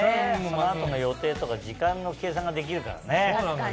その後の予定とか時間の計算ができるからね。